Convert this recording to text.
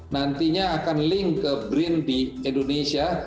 nantinya akan link ke brin di indonesia